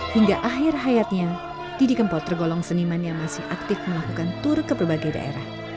hingga akhir hayatnya didi kempot tergolong seniman yang masih aktif melakukan tur ke berbagai daerah